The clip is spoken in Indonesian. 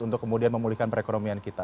untuk kemudian memulihkan perekonomian kita